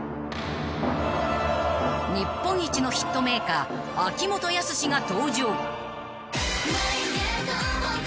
［日本一のヒットメーカー秋元康が登場］